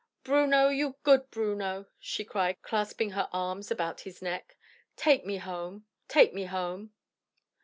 "Bruno, you good Bruno!" she cried clasping her arms about his neck, "take me home! take me home!"